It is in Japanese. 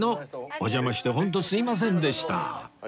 お邪魔してホントすみませんでした